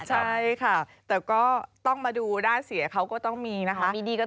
ใช่ค่ะแต่ก็ต้องมาดูด้านเสียเขาก็ต้องมีนะคะ